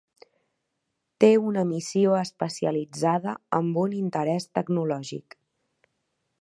Té una missió especialitzada amb un interès tecnològic.